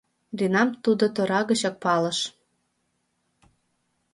Ринам тудо тора гычак палыш.